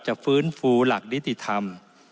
ฟื้นฟูหลักนิติธรรม